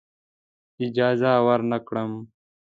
اجازه ورنه کړم.